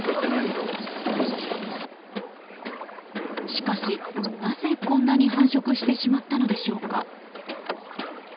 しかし、なぜこんなに繁殖してしまったのでしょうか。